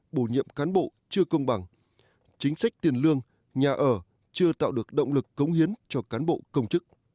bổ nhiệm cán bộ chưa công bằng chính sách tiền lương nhà ở chưa tạo được động lực cống hiến cho cán bộ công chức